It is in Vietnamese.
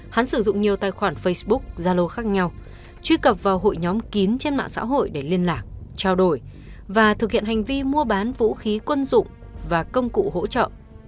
hắn sử dụng nhiều tài khoản facebook zalo khác nhau truy cập vào hội nhóm kín trên mạng xã hội để liên lạc trao đổi và thực hiện hành vi mua bán vũ khí quân dụng và công cụ hỗ trợ